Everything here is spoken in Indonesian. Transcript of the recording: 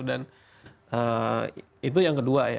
dan itu yang kedua ya